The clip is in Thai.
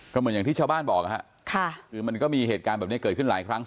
ก็เหมือนอย่างที่ชาวบ้านบอกนะฮะคือมันก็มีเหตุการณ์แบบนี้เกิดขึ้นหลายครั้ง